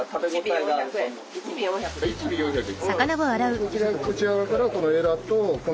１尾４００。